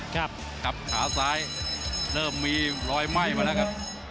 กับขาซ้ายเริ่มมีรอยไหม้มาแล้วครับ